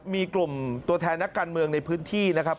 มีกลุ่มตัวแทนนักการเมืองในพื้นที่นะครับ